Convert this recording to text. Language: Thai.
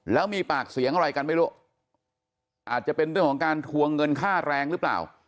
แล้วมีปากเสียงอะไรกันไม่รู้อาจจะเป็นเรื่องของการทวงเงินค่าแรงหรือเปล่า